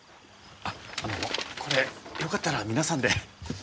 あっあのこれよかったら皆さんで。